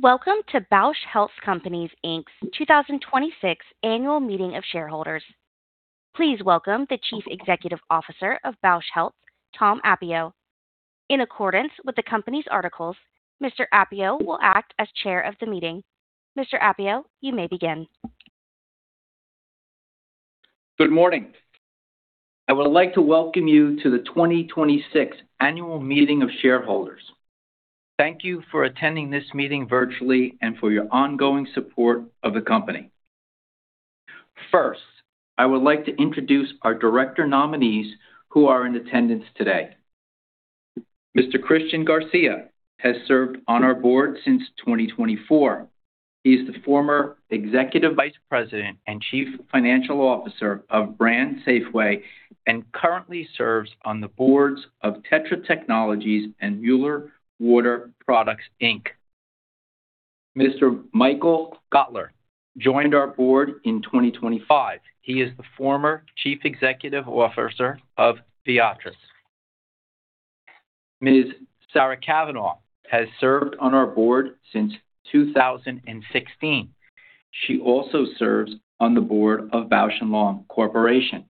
Welcome to Bausch Health Companies Inc.'s 2026 annual meeting of shareholders. Please welcome the Chief Executive Officer of Bausch Health, Tom Appio. In accordance with the company's articles, Mr. Appio will act as chair of the meeting. Mr. Appio, you may begin. Good morning. I would like to welcome you to the 2026 annual meeting of shareholders. Thank you for attending this meeting virtually and for your ongoing support of the company. First, I would like to introduce our director nominees who are in attendance today. Mr. Christian Garcia has served on our board since 2024. He is the former executive vice president and Chief Financial Officer of BrandSafway and currently serves on the boards of TETRA Technologies and Mueller Water Products, Inc. Mr. Michael Goettler joined our board in 2025. He is the former Chief Executive Officer of Theratechnologies. Ms. Sarah Kavanagh has served on our board since 2016. She also serves on the board of Bausch + Lomb Corporation.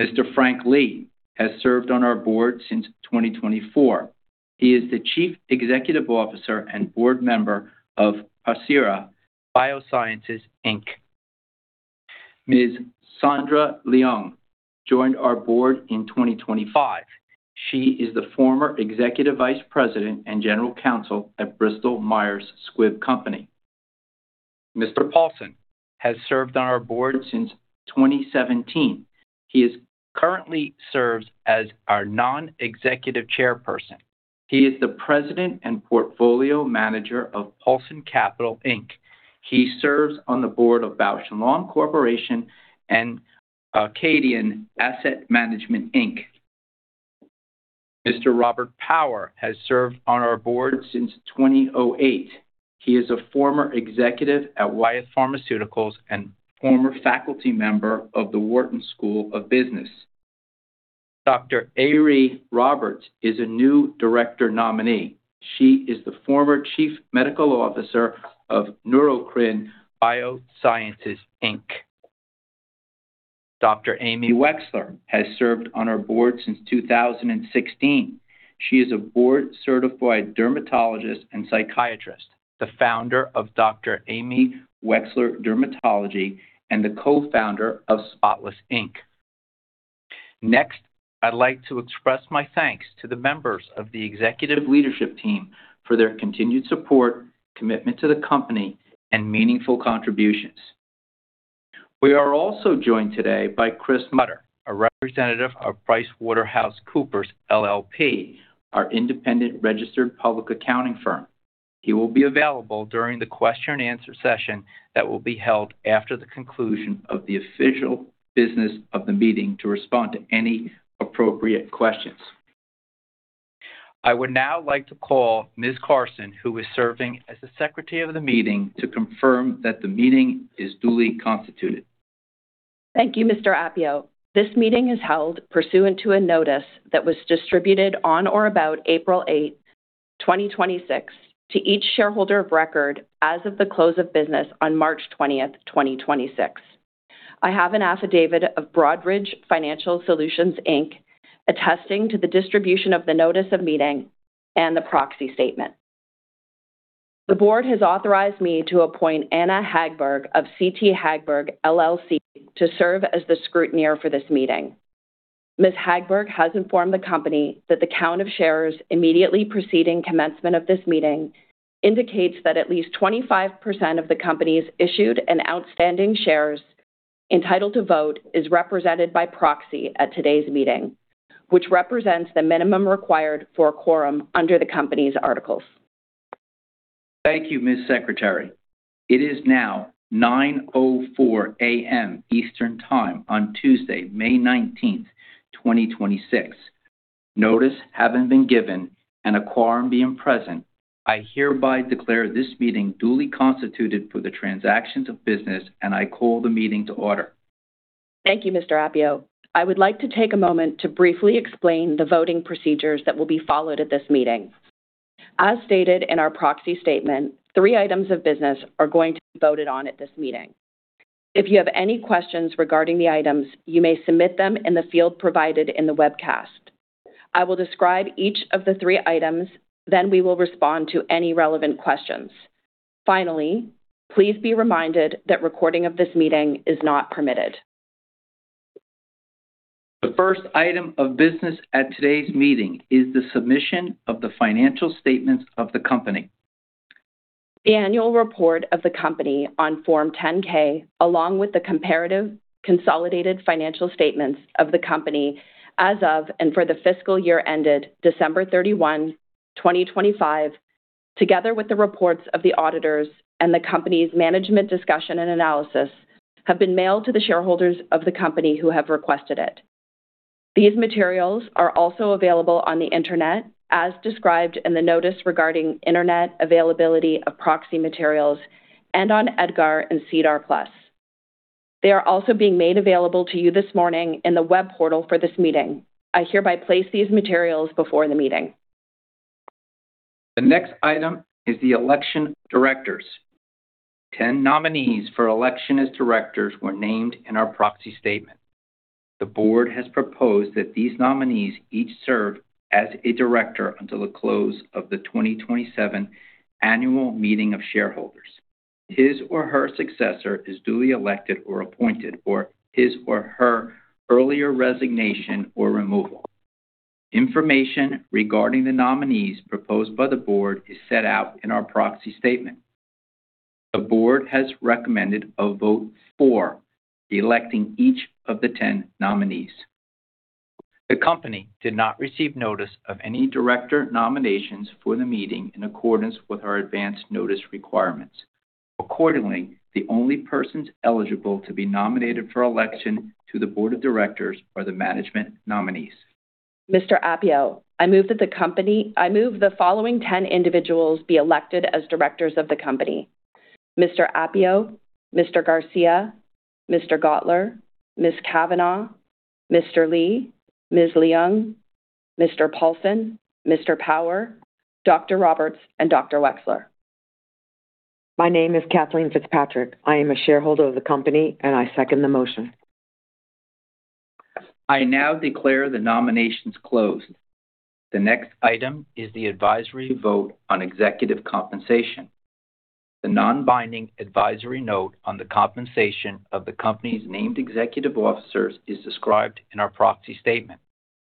Mr. Frank Lee has served on our board since 2024. He is the Chief Executive Officer and board member of Aceragen Biosciences, Inc. Ms. Sandra Leung joined our board in 2025. She is the former executive vice president and general counsel at Bristol Myers Squibb. Mr. Paulson has served on our board since 2017. He currently serves as our non-executive chairperson. He is the president and portfolio manager of Paulson Capital, Inc. He serves on the board of Bausch + Lomb Corporation and Acadian Asset Management, Inc. Mr. Robert Power has served on our board since 2008. He is a former executive at Wyeth Pharmaceuticals and former faculty member of the Wharton School of Business. Dr. Eiry Roberts is a new director nominee. She is the former chief medical officer of Neurocrine Biosciences, Inc. Dr. Amy Wechsler has served on our board since 2016. She is a board-certified dermatologist and psychiatrist, the founder of Dr. Amy Wechsler Dermatology, and the co-founder of Spotless, Inc. Next, I'd like to express my thanks to the members of the executive leadership team for their continued support, commitment to the company, and meaningful contributions. We are also joined today by Chris Mutter, a representative of PricewaterhouseCoopers LLP, our independent registered public accounting firm. He will be available during the question and answer session that will be held after the conclusion of the official business of the meeting to respond to any appropriate questions. I would now like to call Ms. Carson, who is serving as the secretary of the meeting, to confirm that the meeting is duly constituted. Thank you, Mr. Appio. This meeting is held pursuant to a notice that was distributed on or about April 8th, 2026, to each shareholder of record as of the close of business on March 20th, 2026. I have an affidavit of Broadridge Financial Solutions, Inc. attesting to the distribution of the notice of meeting and the proxy statement. The board has authorized me to appoint Anna Hagberg. of CT Hagberg LLC to serve as the scrutineer for this meeting. Ms. Hagberg has informed the company that the count of shares immediately preceding commencement of this meeting indicates that at least 25% of the company's issued and outstanding shares entitled to vote is represented by proxy at today's meeting, which represents the minimum required for a quorum under the company's articles. Thank you, Ms. Secretary. It is now 9:04 A.M. Eastern Time on Tuesday, May 19th, 2026. Notice having been given and a quorum being present, I hereby declare this meeting duly constituted for the transactions of business. I call the meeting to order. Thank you, Mr. Appio. I would like to take a moment to briefly explain the voting procedures that will be followed at this meeting. As stated in our proxy statement, three items of business are going to be voted on at this meeting. If you have any questions regarding the items, you may submit them in the field provided in the webcast. I will describe each of the three items, then we will respond to any relevant questions. Finally, please be reminded that recording of this meeting is not permitted. The first item of business at today's meeting is the submission of the financial statements of the company. The annual report of the company on Form 10-K, along with the comparative consolidated financial statements of the company as of and for the fiscal year ended December 31, 2025, together with the reports of the auditors and the company's management discussion and analysis, have been mailed to the shareholders of the company who have requested it. These materials are also available on the Internet, as described in the notice regarding Internet availability of proxy materials and on EDGAR and SEDAR+. They are also being made available to you this morning in the web portal for this meeting. I hereby place these materials before the meeting. The next item is the election directors. 10 nominees for election as directors were named in our proxy statement. The board has proposed that these nominees each serve as a director until the close of the 2027 annual meeting of shareholders. His or her successor is duly elected or appointed, or his or her earlier resignation or removal. Information regarding the nominees proposed by the board is set out in our proxy statement. The board has recommended a vote for electing each of the 10 nominees. The company did not receive notice of any director nominations for the meeting in accordance with our advance notice requirements. Accordingly, the only persons eligible to be nominated for election to the board of directors are the management nominees. Mr. Appio, I move the following ten individuals be elected as directors of the company. Mr. Appio, Mr. Garcia, Mr. Goettler, Ms. Kavanagh, Mr. Lee, Ms. Leung, Mr. Paulson, Mr. Power, Dr. Eiry Roberts, and Dr. Wechsler. My name is Kathleen Fitzpatrick, I am a shareholder of the company, and I second the motion. I now declare the nominations closed. The next item is the advisory vote on executive compensation. The non-binding advisory vote on the compensation of the company's named executive officers is described in our proxy statement.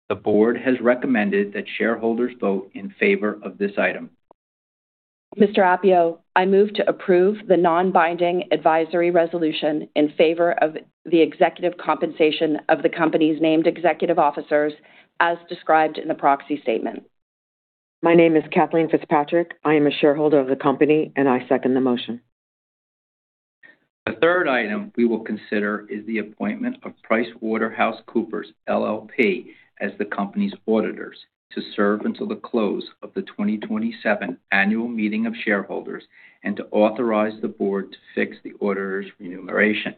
The board has recommended that shareholders vote in favor of this item. Mr. Appio, I move to approve the non-binding advisory resolution in favor of the executive compensation of the company's named executive officers, as described in the proxy statement. My name is Kathleen Fitzpatrick, I am a shareholder of the company, and I second the motion. The third item we will consider is the appointment of PricewaterhouseCoopers LLP as the company's auditors to serve until the close of the 2027 annual meeting of shareholders and to authorize the board to fix the auditor's remuneration.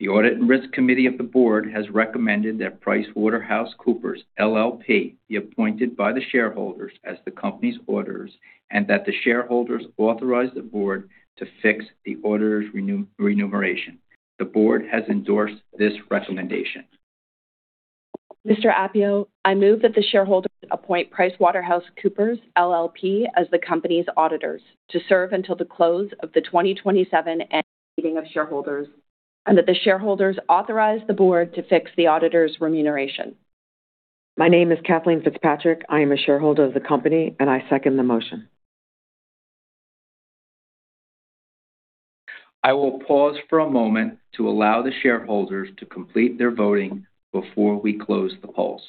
The Audit and Risk Committee of the board has recommended that PricewaterhouseCoopers LLP be appointed by the shareholders as the company's auditors, and that the shareholders authorize the board to fix the auditor's remuneration. The board has endorsed this recommendation. Mr. Appio, I move that the shareholders appoint PricewaterhouseCoopers LLP as the company's auditors to serve until the close of the 2027 annual meeting of shareholders, and that the shareholders authorize the board to fix the auditor's remuneration. My name is Kathleen Fitzpatrick, I am a shareholder of the company, and I second the motion. I will pause for a moment to allow the shareholders to complete their voting before we close the polls.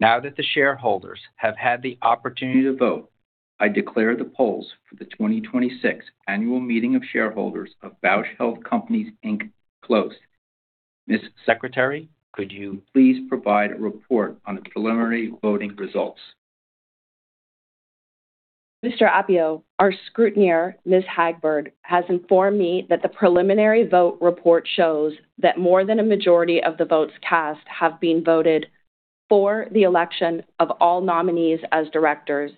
Now that the shareholders have had the opportunity to vote, I declare the polls for the 2026 annual meeting of shareholders of Bausch Health Companies Inc. closed. Ms. Secretary, could you please provide a report on the preliminary voting results? Mr. Appio, our scrutineer, Ms. Hagberg, has informed me that the preliminary vote report shows that more than a majority of the votes cast have been voted for the election of all nominees as directors,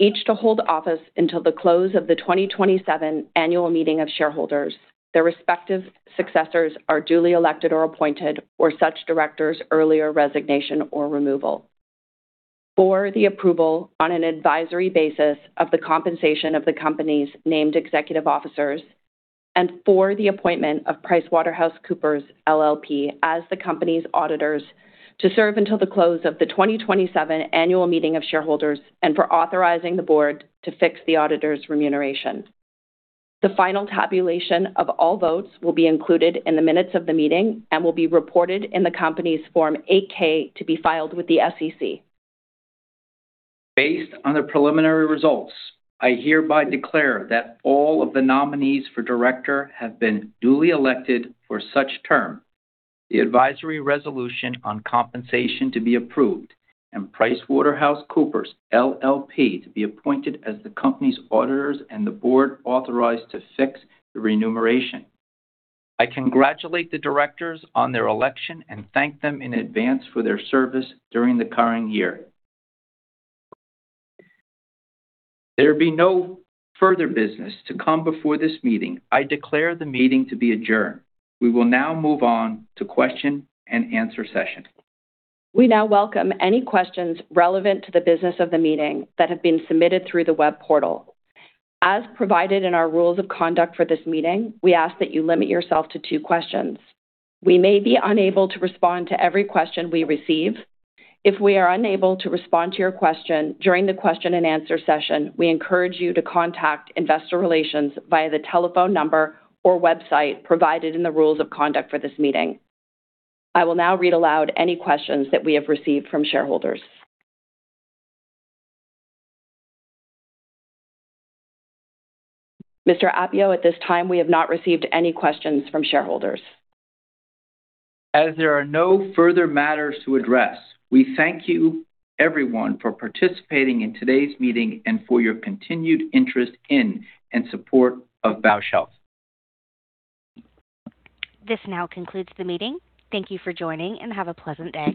each to hold office until the close of the 2027 annual meeting of shareholders, their respective successors are duly elected or appointed, or such directors earlier resignation or removal for the approval on an advisory basis of the compensation of the company's named executive officers, and for the appointment of PricewaterhouseCoopers LLP as the company's auditors to serve until the close of the 2027 annual meeting of shareholders, and for authorizing the board to fix the auditor's remuneration. The final tabulation of all votes will be included in the minutes of the meeting and will be reported in the company's Form 8-K to be filed with the SEC. Based on the preliminary results, I hereby declare that all of the nominees for director have been duly elected for such term, the advisory resolution on compensation to be approved, and PricewaterhouseCoopers LLP to be appointed as the company's auditors and the board authorized to fix the remuneration. I congratulate the directors on their election and thank them in advance for their service during the current year. There be no further business to come before this meeting, I declare the meeting to be adjourned. We will now move on to question and answer session. We now welcome any questions relevant to the business of the meeting that have been submitted through the web portal. As provided in our rules of conduct for this meeting, we ask that you limit yourself to two questions. We may be unable to respond to every question we receive. If we are unable to respond to your question during the question and answer session, we encourage you to contact investor relations via the telephone number or website provided in the rules of conduct for this meeting. I will now read aloud any questions that we have received from shareholders. Mr. Appio, at this time, we have not received any questions from shareholders. As there are no further matters to address, we thank you everyone for participating in today's meeting and for your continued interest in and support of Bausch Health. This now concludes the meeting. Thank you for joining, and have a pleasant day.